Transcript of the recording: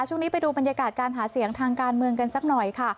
ช่วงนี้ไปดูบรรยากาศการหาเสียงทางการเมืองกันสักหน่อยค่ะ